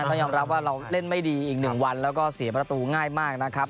ต้องยอมรับว่าเราเล่นไม่ดีอีก๑วันแล้วก็เสียประตูง่ายมากนะครับ